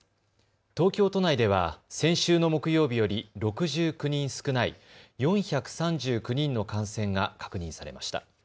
東京都内では先週の木曜日より６９人少ない４３９人の感染が確認されました。